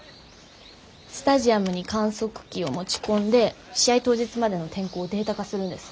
スタジアムに観測器を持ち込んで試合当日までの天候をデータ化するんです。